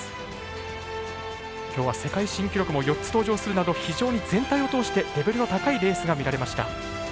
今日は世界新記録も４つ登場するなど非常に全体を通してレベルの高いレースが見られました。